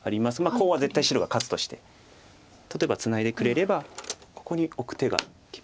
コウは絶対白が勝つとして例えばツナいでくれればここにオク手が厳しいです。